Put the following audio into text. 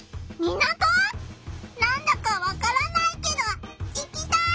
なんだかわからないけど行きたい！